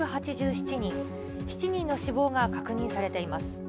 ７人の死亡が確認されています。